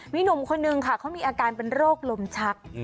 มีหนุ่มคนนึงค่ะเขามีอาการเป็นโรคลมชัก